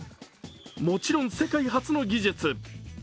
もちろん世界初の技術。